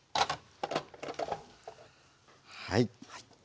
はい。